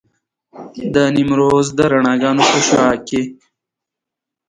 د نیمروز د رڼاګانو په شعاع کې.